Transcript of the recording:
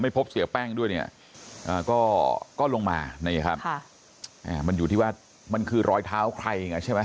พบเสียแป้งด้วยเนี่ยก็ลงมานี่ครับมันอยู่ที่ว่ามันคือรอยเท้าใครไงใช่ไหม